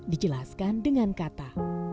dijelaskan dengan kata